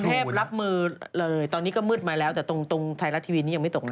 เทพรับมือเลยตอนนี้ก็มืดมาแล้วแต่ตรงไทยรัฐทีวีนี้ยังไม่ตกนะ